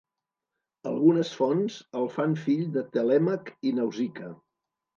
Algunes fonts el fan fill de Telèmac i Nausica.